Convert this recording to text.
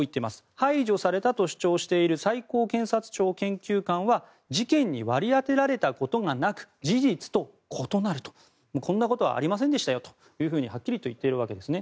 排除されたと主張している最高検察庁研究官は事件に割り当てられたことがなく事実と異なるとこんなことはありませんでしたよとはっきりと言っているわけなんですね。